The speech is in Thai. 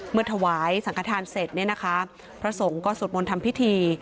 ถวายสังขทานเสร็จเนี่ยนะคะพระสงฆ์ก็สวดมนต์ทำพิธี